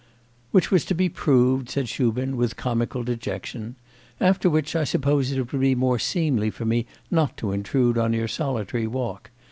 'Which was to be proved,' said Shubin with comical dejection. 'After which I suppose it would be more seemly for me not to intrude on your solitary walk.